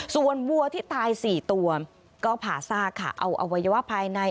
ส่วนวัวที่ตาย๔ตัวก็ผ่าซากค่ะเอาอวัยวะภายใน